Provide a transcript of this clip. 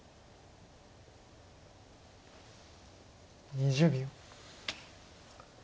２０秒。